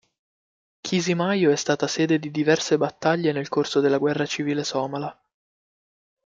Chisimaio è stata sede di diverse battaglie nel corso della guerra civile somala.